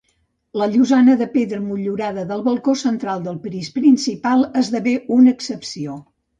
La llosana de pedra motllurada del balcó central del pis principal esdevé una excepció.